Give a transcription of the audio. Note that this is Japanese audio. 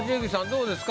どうですか？